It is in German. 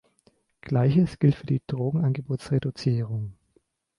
Gleiches gilt für die Drogenangebotsreduzierung.